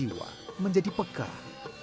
jiwa menjadi pekah